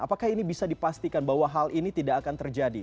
apakah ini bisa dipastikan bahwa hal ini tidak akan terjadi